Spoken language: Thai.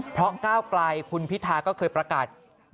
เพราะก้าวไกลคุณพิธาก็เคยประกาศ